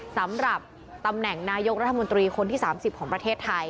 สำหรับตำแหน่งนายกรัฐมนตรีคนที่๓๐ของประเทศไทย